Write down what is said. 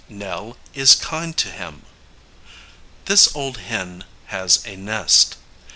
Nell is kind to him. This old hen has a nest.